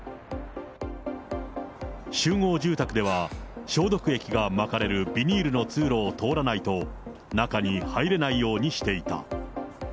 集合住宅では消毒液がまかれるビニールの通路を通らないと中に入れないようにしていた。